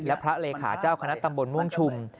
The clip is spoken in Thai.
และพระเลขาเจ้าคณะตำบลม่วงชุม